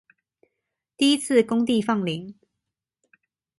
第一次公地放領